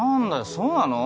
そうなの？